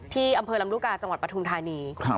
ที่อำเภอลำลูกกาจังหวัดปทุมธานี